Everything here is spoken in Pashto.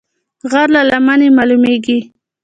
غر له لمنې مالومېږي